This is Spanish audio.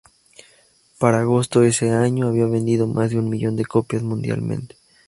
Para agosto de ese año, había vendido más de un millón de copias mundialmente.